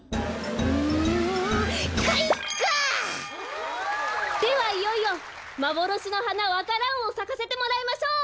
「うんかいか！」ではいよいよまぼろしのはなわか蘭をさかせてもらいましょう。